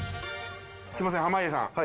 すいません濱家さん。